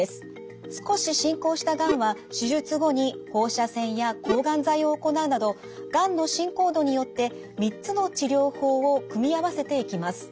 少し進行したがんは手術後に放射線や抗がん剤を行うなどがんの進行度によって３つの治療法を組み合わせていきます。